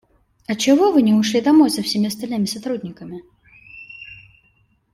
Отчего Вы не ушли домой со всеми остальными сотрудниками?